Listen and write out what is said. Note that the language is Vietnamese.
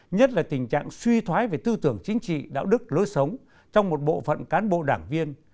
nhất là tình trạng suy thoái về tư tưởng chính trị đạo đức lối sống trong một bộ phận cán bộ đảng viên